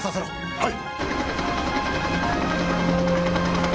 はい！